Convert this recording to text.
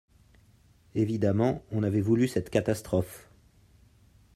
Évidemment, on avait voulu cette catastrophe.